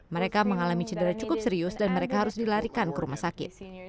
mereka mengalami cedera cukup serius dan mereka harus dilarikan ke rumah sakit